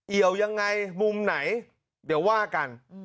ี่ยวยังไงมุมไหนเดี๋ยวว่ากัน